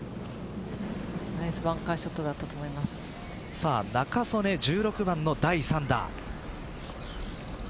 ナイスバンカーショットだったと仲宗根１６番の第３打。